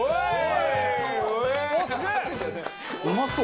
うまそう。